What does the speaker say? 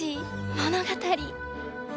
物語？